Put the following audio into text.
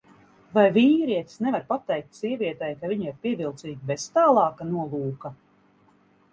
Vai vīrietis nevar pateikt sievietei, ka viņa ir pievilcīga bez tālāka nolūka?